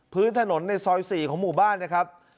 พื้นถนนในซอย๔ของหมู่บ้านนะครับ